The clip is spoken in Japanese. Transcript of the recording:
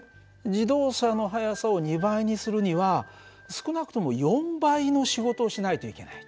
自動車の速さを２倍にするには少なくとも４倍の仕事をしないといけない。